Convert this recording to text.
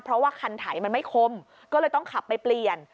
เพราะว่าคันไถมันไม่คมก็เลยต้องขับไปเปลี่ยน